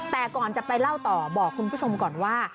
แต่ก่อนจะไปเล่าต่อบอกคุณผู้ชมก่อนว่า